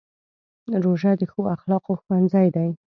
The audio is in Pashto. روژه د ښو اخلاقو ښوونځی دی.